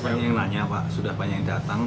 saya ingin nanya pak sudah banyak yang datang